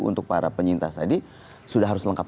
untuk para penyintas tadi sudah harus lengkap